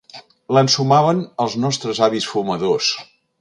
L'ensumaven els nostres avis fumadors.